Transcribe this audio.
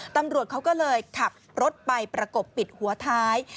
ตำรวจเขาก็เลยขับรถไปประกบปิดหัวท้าย